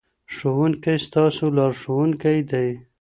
ښوونکی ستاسو لارښوونکی دی.